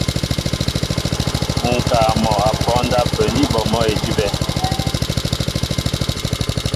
Ŋ̀kaa mɔ' a pɔ á ndápə̂ ní bɔ mɔ́ idʉ́bɛ̄.